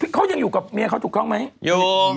เขายังอยู่กับเมียเขาถูกต้องไหม